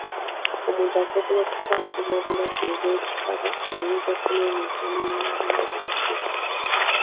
Omuntu asobola okukwatibwa obulwadde bw’ekikaba nga yeegasse n’omuntu omulala alina obulwadde obwo.